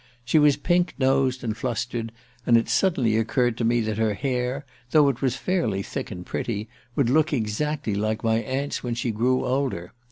She was pink nosed and flustered, and it suddenly occurred to me that her hair, though it was fairly thick and pretty, would look exactly like my aunt's when she grew older.